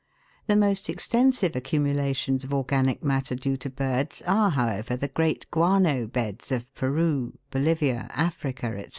The most extensive accumulations of organic matter due to birds are, however, the great guano beds of Peru, Bolivia, Africa, &c.